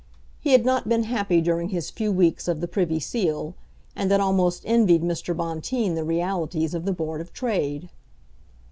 He had not been happy during his few weeks of the Privy Seal, and had almost envied Mr. Bonteen the realities of the Board of Trade.